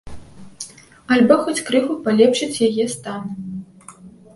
Альбо хоць крыху палепшыць яе стан?